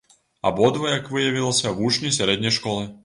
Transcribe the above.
Абодва, як выявілася, вучні сярэдняй школы.